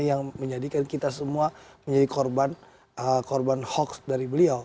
yang menjadikan kita semua menjadi korban korban hoax dari beliau